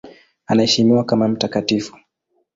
Anaheshimiwa kama mtakatifu.